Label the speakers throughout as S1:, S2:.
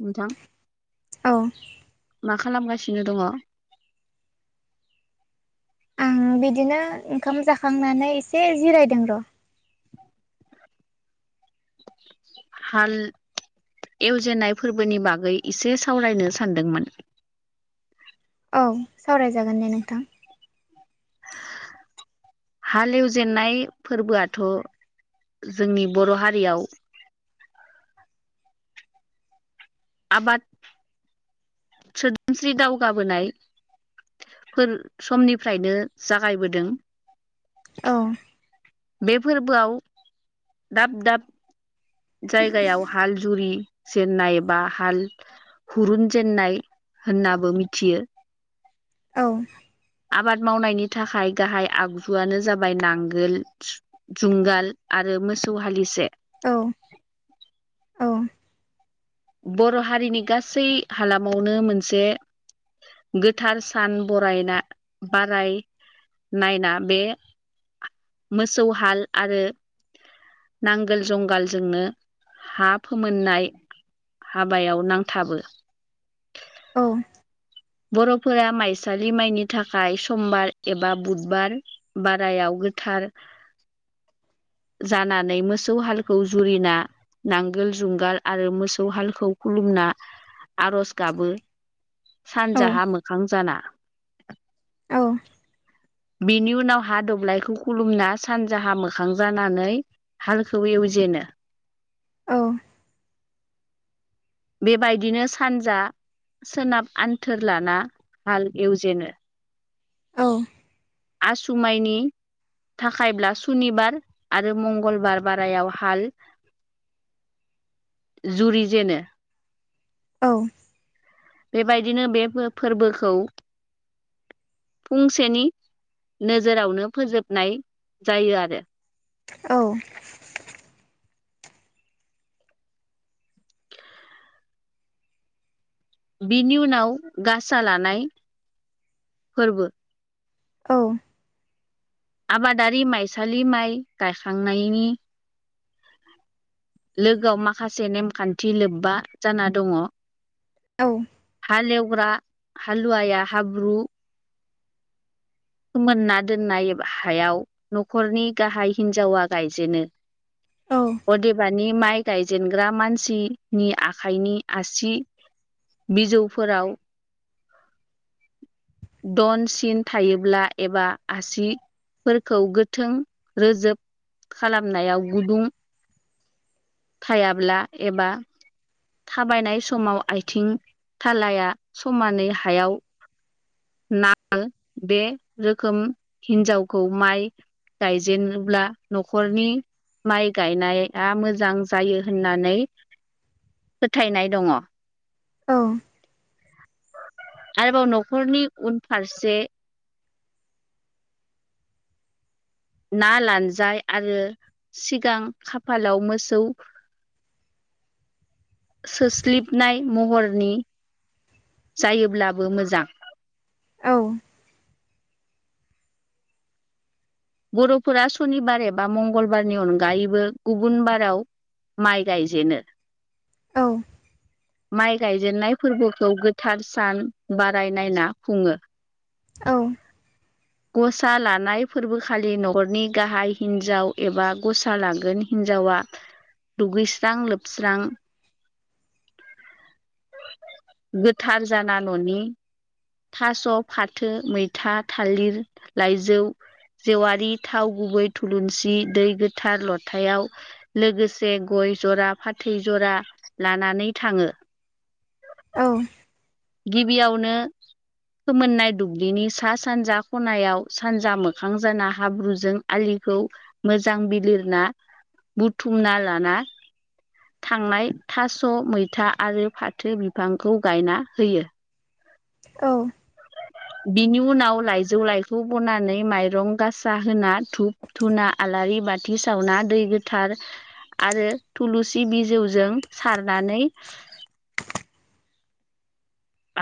S1: नोंथां
S2: औ
S1: मा खालामगा सिनो दंङ
S2: आं बिदिनो ओंखाम जाखांनानै एसे जिरायदों र'
S1: हाल एवजेननाय फोरबोनि बागै एसे सावरायनो सानदोंमोन।
S2: औ सावरायजागोन दे नोंथां।
S1: हालेवजेननाय फोरबोआथ' जोंनि बर' हारियाव आबाद सोदोमस्रि दावगाबोनाय। फोर समनिफ्रायनो जागायबोदों।
S2: औ
S1: बे फोरबोआव दाब दाब जायगायाव हाल जुरि जेननाय बा हाल हुरुनजेेननाय होननाबो मिथियो
S2: औ
S1: आबाद मावनायनि थाखाय गाहाय आगजुआनो जाबाय नांगोल जुंगाल आरो। मोसौ हालिसे
S2: औ औ
S1: बर' हारिनि गासै हालामावनो मोनसे गोथार सान बरायना बाराय नायना बे मोसौ हाल आरो नांगोल जुंगालजोंनो हा फोमोननाय हाबायाव नांथाबो ।
S2: औ
S1: बर'फोरा माइसालि माइनि थाखाय समबार एबा बुधबार बारायाव गो थार जानानै मोसौ हालखौ जुरिना नांगोल जुंगाल आरो मोसौ हालखौ खुलुमना आर'ज गाबो
S2: औ
S1: सानजाहा मोखां जाना ।
S2: औ
S1: बिनि उनाव हा दब्लायखौ खुलुमना सानजाहा मोखां जानानै हालखौ एवजे नो ।
S2: औ
S1: बेबायदिनो सानजा सोनाब आन्थोर लाना हाल एवजेनो ।
S2: औ
S1: आसुमाइनि थाखायब्ला सुनिबार आरो मंगलबार बारायाव हाल जुरि जेनो ।
S2: औ
S1: बेबायदिनो बे फोर-फोरबोखौ फुंसेनि नोजोरावनो फोजोबनाय जायो आरो ।
S2: औ
S1: बिनि उनाव गासा लानाय फोरबो ।
S2: औ
S1: आबादारि माइसालि माइ गायखांनायनि लोगोआव माखासे नेमखान्थि लोब्बा जाना दङ ।
S2: औ
S1: हालेवग्रा हालुवाया हाब्रु फोमोनना दोननाय हायाव न'खरनि गाहाय हिन्जावा गायजेनो
S2: औ
S1: । अदेबानि माइक गायजेनग्रा मानसिनि आखाइनि आसि बिजौफोराव ढन सिन थायोब्ला एबा आसि फोरखौ गोथों रोजोब खालामनायाव गुदुं थायाब्ला एबा थाबायनाय समाव आथिं थालाया समानै हायाव नांयो बे रोखोम हिन्जावखौ माइ गायजेनोब्ला न'खरनि माइ गायनाया मोजां जायो होननानै फोथायनाय दङ ।
S2: औ
S1: आरोबाव न'खरनि उनफारसे ना लानजाय आरो सिगां खाफालाव मोसौ सोसलिबनाय महरनि जायोब्लाबो मोजां ।
S2: औ
S1: बर'फोरा सनिबार एबा मंगलबारनि अनगायैबो गुबुन बाराव माइ गायजेनो ।
S2: औ
S1: माइ गायजेनन्नाय फोरबोखौ गोथार सान बारायनायना खुङो।
S2: औ
S1: गसा लानाय फोरबोखालि न'खरनि गाहाय हिन्जाव एबा गसा लागोन हिन जावा दुगैस्रां लोबस्रां गोथार जाना न'नि थास' फाथो मैथा थालिर लाइजौ जेवारि थाव गुबै थुलुंसि दै गोथार लथायाव लोगोसे गय जरा फाथै ज'रा लानानै थाङो।
S2: औ
S1: गिबियावनो फोमोननाय दुब्लिनि सा सानजा खनायाव सानजा मोखां जाना हाब्रुजों आलि खौ मोजां बिलिरना बुथुमना लाना थांनाय थास' मैथा आरो फाथो बिफांखौ गायना होयो।
S2: औ
S1: बिनि उनाव लाइजौ लाइखौ बनानै माइरं गासा होना धुप धुना आ आलारि बाथि सावना दै गोथार आरो थुलुसि बिजौजों सारनानै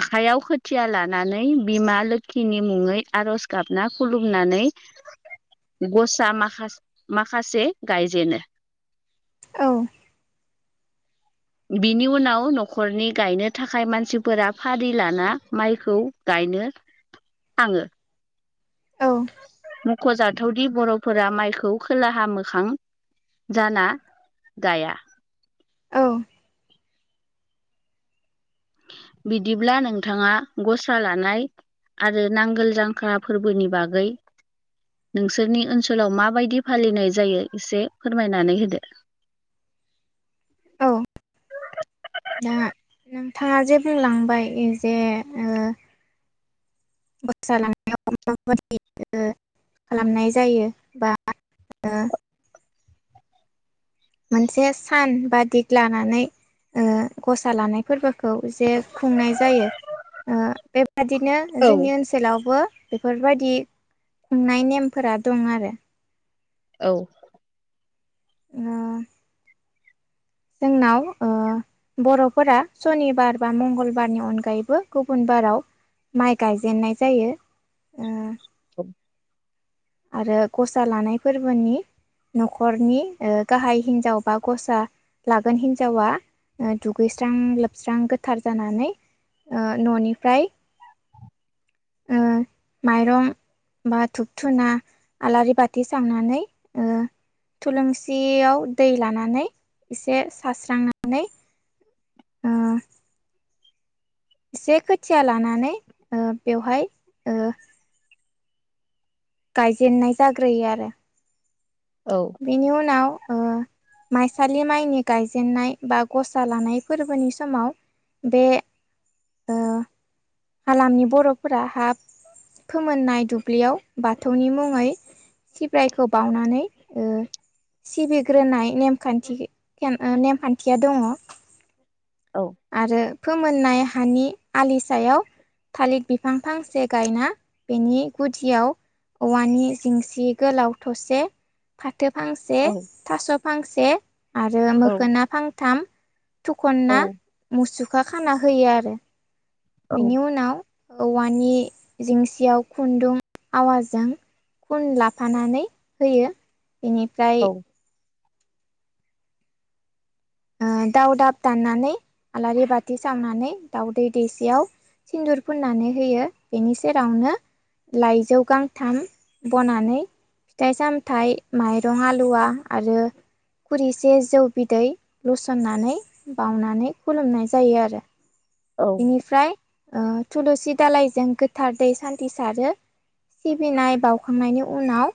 S1: आखायाव खोथिया लानानै बिमा लोखिनि मुङै आर'ज गाबना खुलुमनानै गसा माखा-माखासे गायजेनो।
S2: औ
S1: बिनि उनाव न'खरनि गायनो थाखाय मानसिफोरा फारि लाना माइखौ गाय गायनो थाङो। मख'जाथावदि बर'फोरा माइखौ खोलाहा मोखां जाना गाया
S2: औ
S1: बिदिब्ला नोंथाङा गसा लानाय आरो नांगोल जांख्रा फोरबोनि बागै नोंसोरनि ओनसोलाव माबायदि फालिनाय जायो एसे फोरमायनानै होदो। [inaudible]
S2: औ दा नोंथाङा जे बुंलांबाय जे ओ [unintelligible] खालामनाय जायो बा ओ मोनसे सान बा दिग लानानै ओ गसा लानाय फोरबो खौ जे खुंनाय जायो ओ बेबादिनो
S1: औ
S2: जोंनि ओनसोलावबो बेफोरबायदि खुंनाय नेमफोरा दं आरो
S1: औ
S2: ओ जोंनाव ओ बर'फोरा सनिबार बा मंगलबारनि अनगायैबो गुबुन बार बाराव माइ गायजेननाय जायो। ओ
S1: औ
S2: आरो गसा लानाय फोरबोनि न'खरनि ओ गाहाय हिनजाव बा गसा लागोन हिनजावा दुगैस्रां लोबस्रां गोथार जानानै ओ न'निफ्राय ओ
S1: [inaudible]
S2: माइरं बा धुप धुना आलारि बाथि सावनानै थुलुंसियाव दै लानानै एसे सारस्रांनानै ओ
S1: [inaudible]
S2: एसे खोथिया लानानै बेवहाय गायजेननाय जाग्रोयो आरो बेनि उनाव माइसालि माइनि गायजेनन्नाय बा गसा लानाय फोरबोनि समाव बे ओ
S1: [inaudible]
S2: हालामनि बर'फोरा हाब फोमोननाय दुब्लियाव बाथौनि मुङै सिब्रायखौ बावनानै
S1: [inaudible]
S2: सिबिग्रोनाय नेखान्थि नेमखान्थिया दङ
S1: औ
S2: आरो फोमोननाय हानि आलि सायाव थालिर बिफां फांसे गायना बेनि गुदियाव औवानि जिंसि गोलाव थसे फा थो फांसे थास' फांसे आरो
S1: औ
S2: मोखोना फांथाम थखना
S1: औ
S2: मुसुखा खाना होयो आरो बेनि उनाव औवानि जोंसियाव खुन्दुं आवाजों खुन लाफानानै होयो बेनिफ्राय
S1: औ
S2: दाउ दाब दाननानै आलारि बाथि सावनानै दाउदै दैसेयाव सिन्दुर फुननानै होयो बेनि सेरावनो लाइजौ गांथाम बनानै फिथाइ सामथाइ माइरं आलुवा आरो खुरिसे जौ बिदै लुसननानै बावनानै खुलुमनाय जायो आरो
S1: औ
S2: बेनिफ्राय थुलुसि दालायजों गोथार दै सान्थि सारो सिबिनाय बावखांनायनि उनाव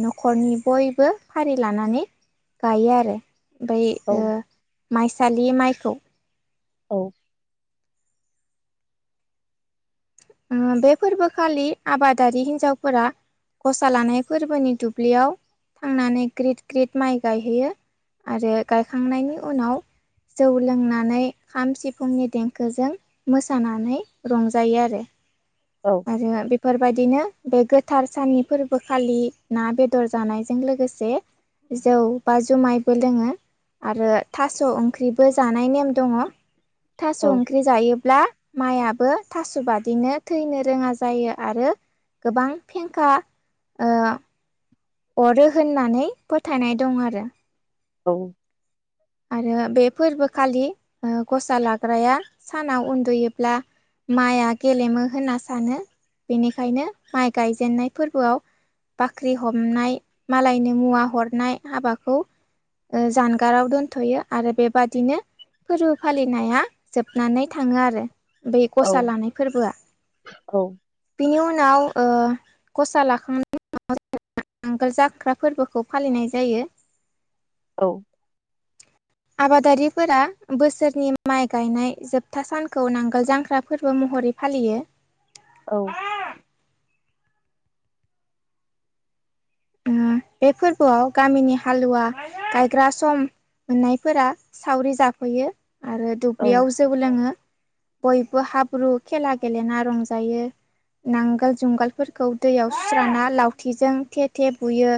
S2: न'खरनि बयबो फारि लानानै गायो आरो
S1: औ
S2: ओमफ्राय माइसालि माइखौ
S1: औ
S2: बे फोरबोखालि आबादारि हिन्जावफोरा गसा लानाय फोरबोनि दुब्लियाव थांनानै ग्रिद ग्रिद माइ गायहैयो आरो गायखांनायनि उनाव जौ लोंनानै खाम सिफुंनि देंखोजों मोसानानै रंजायो आरो
S1: औ
S2: आरो बेफोरबायदिनो बे गोथार साननि फोरबोखालि ना बेदर जानायजों लोगोसे जौ बाजौ माइबो लोङो आरो थास' ओंख्रिबो जानाय नेम दङ थास'
S1: औ
S2: ओंख्रि जायोब्ला माइयाबो थास' बादिनो थैनो रोङा जायो आरो गोबां फेंखा अरो होननानै फोथायनाय दं आरो
S1: औ
S2: आरो बे फोरबोखालि गसा लाग्राया सानाव उन्दुयोब्ला माइआ गेलेमो होनना सानो बेनिखायनो माइ गायजेननाय फोरबोआव बाख्रि हमनाय मालायनो मुवा हरनाय हाबाखौ जानग आावदोन थ'यो आरो बेबादिनो फोरबो फालिनाया जोबनानै थाङो आरो बे गसा लानाय फोरबोआ
S1: औ
S2: बेनि उन जनाव गसा लाखांनायनि [unintelligible] नांगाल जाख्रा फोरबोखौ फालिनाय जायो ।
S1: औ
S2: आबादारिफोरा बोसोरनि माइ गायनाय जोबथा सानखौ नांगोल जांख्रा फोरबो मुं महरै फालियो
S1: औ
S2: उम बे फोरबोआव गामिनि हालुवा गायग्रा सम मोननायफोरा सावरि जाफैयो आरो दुब्लियाव जौ लोङो। बयबो हाब्रु खेला गेलेना रंजायो नांगोल जुंगालफोरखौ दैयाव सुस्राना लावथिजों थे थे बुयो।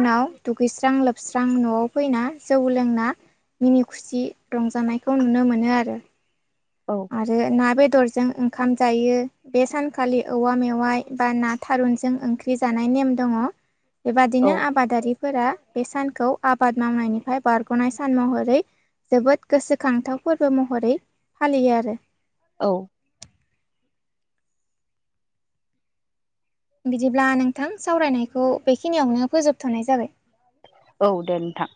S2: उनाव दुगैस्रां लोबस्रां न'आव फैना जौ लोंना मिनि खुसि रंजानायखौ नुनो मोनो आरो।
S1: औ
S2: आरो ना बेदरजों ओंखाम जायो बे सानखालि औवा मेवाइ बा ना थारुनजों ओंख्रि जानाय नेम दङ।
S1: औ
S2: बेबादिनो आबादारिफोरा बे सानखौ आबाद मावनायनिफ्राय बारग'नाय सान महरै जोबोद गोसोखांथाव फोरबो महरै फालियो आरो।
S1: औ
S2: बिदिब्ला नोंथां सावरायनायखौ बेखिनियावनो फोजोबथ'नाय जाबाय।
S1: औ दे नोंथां।